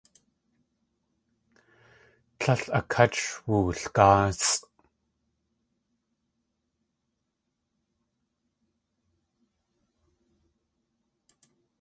Tlél a kát sh wulgáasʼ.